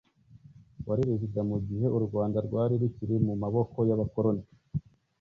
wari “rezida” mu gihe u Rwanda rwari rukiri mu maboko y’abakoroni.